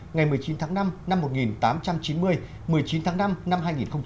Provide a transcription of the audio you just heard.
ngày một mươi chín tháng năm năm một nghìn tám trăm chín mươi một mươi chín tháng năm năm hai nghìn hai mươi